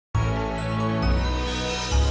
sampai jumpa di video selanjutnya